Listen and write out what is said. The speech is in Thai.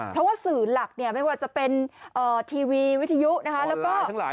เพราะว่าสื่อหลักเนี้ยไม่ว่าจะเป็นเอ่อทีวีวิทยุนะคะแล้วก็ตอนลายทั้งหลาย